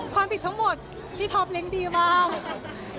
ความผิดทั้งหมดพี่ท็อปเลี้ยงดีมาก